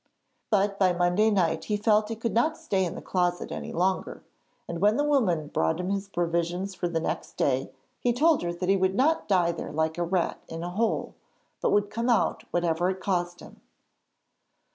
But by Monday night he felt he could not stay in the closet any longer, and when the woman brought him his provisions for the next day he told her that he would not die there like a rat in a hole, but would come out whatever it cost him.